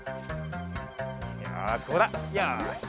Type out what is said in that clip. よしここだよし！